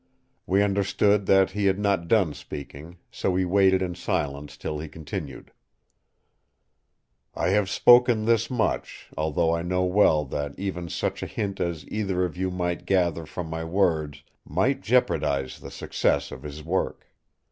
We understood that he had not done speaking; so we waited in silence till he continued: "I have spoken this much, although I know well that even such a hint as either of you might gather from my words might jeopardise the success of his work.